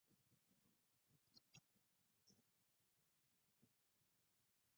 El retablo presenta doce figuras cada cual bajo su propio arco y nicho.